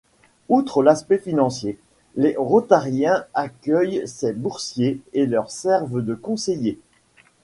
Outre l'aspect financier, les Rotariens accueillent ces boursiers et leur servent de conseillers.